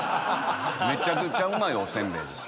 めちゃくちゃうまいお煎餅です。